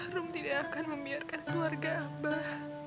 harum tidak akan membiarkan keluarga abah